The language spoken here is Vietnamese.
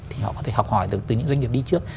thì họ có thể học hỏi được từ những doanh nghiệp đi trước